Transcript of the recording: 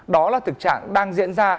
đó là thực trạng đang diễn ra